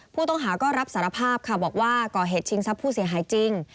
ผู้ต้องหาก็รับสารภาพค่ะบอกว่าก่อเหตุชิงทรัพย์ผู้เสียหายจริง